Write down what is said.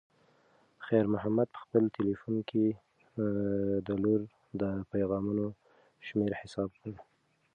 خیر محمد په خپل تلیفون کې د لور د پیغامونو شمېر حساب کړ.